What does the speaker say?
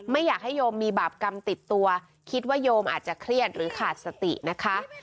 ไม่อยากให้โยมมีบาปกรรมติดตัวคิดว่าโยมอาจจะเครียดหรือขาดสตินะคะ